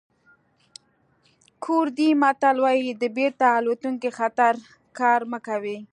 کوردي متل وایي د بېرته راتلونکي خطر کار مه کوئ.